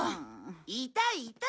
いたいた！